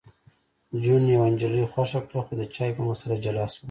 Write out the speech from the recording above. جون یوه نجلۍ خوښه کړه خو د چای په مسله جلا شول